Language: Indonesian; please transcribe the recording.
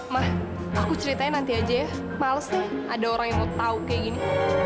mah aku ceritanya nanti aja ya males nih ada orang yang mau tahu kayak gini